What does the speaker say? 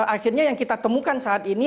akhirnya yang kita temukan saat ini